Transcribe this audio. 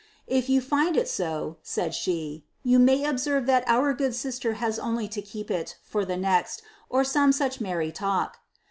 ^ If you find it so," ■id she» ^you OMiy observe that our good sister has only to keep it for die Mzt, or sooie such merry talk."